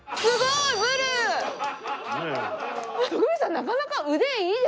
なかなか腕いいですよ。